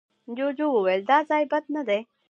جوجو وويل، دا ځای بد نه دی.